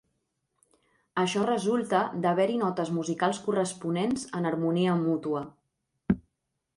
Això resulta d'haver-hi notes musicals corresponents en harmonia mútua.